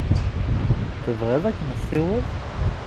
Tebɣiḍ ad k-nessiweḍ?